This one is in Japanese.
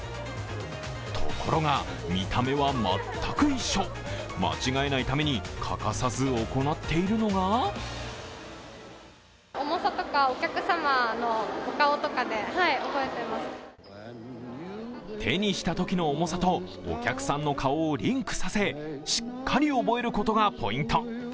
ところが、見た目は全く一緒間違えないために欠かさず行っているのが手にしたときの重さとお客さんの顔をリンクさせしっかり覚えることがポイント。